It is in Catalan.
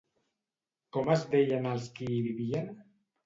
Com es deien els qui hi vivien?